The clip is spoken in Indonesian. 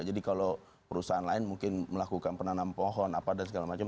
jadi kalau perusahaan lain mungkin melakukan penanam pohon apa dan segala macam